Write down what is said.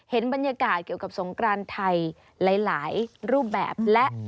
เห็นบรรยากาศเกี่ยวกับสงกรานไทยหลายรูปแบบและ